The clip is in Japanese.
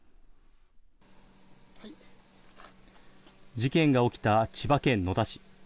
事件が起きた千葉県野田市。